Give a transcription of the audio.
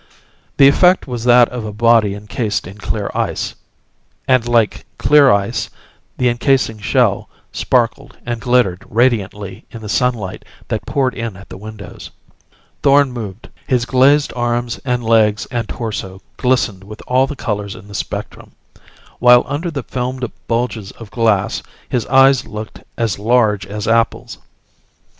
The effect was that of a body encased in clear ice and like clear ice, the encasing shell sparkled and glittered radiantly in the sunlight that poured in at the windows. Thorn moved. His glazed arms and legs and torso glistened with all the colors in the spectrum; while under the filmed bulges of glass his eyes looked as large as apples.